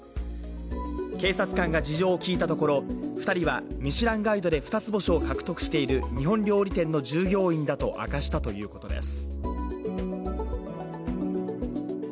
警察官が事情を聴いたところ、２人はミシュランガイドで２つ星を獲得している日本料理店の従業員だと明かしたということです。